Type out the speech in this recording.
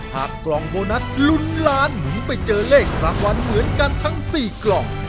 กล่องโบนัสลุ้นล้านหมุนไปเจอเลขรางวัลเหมือนกันทั้ง๔กล่อง